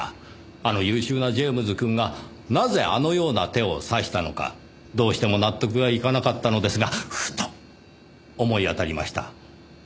あの優秀なジェームズくんがなぜあのような手を指したのかどうしても納得がいかなかったのですがふと思い当たりました。